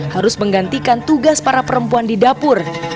harus menggantikan tugas para perempuan di dapur